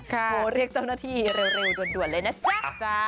โทรเรียกเจ้าหน้าที่เร็วด่วนเลยนะจ๊ะ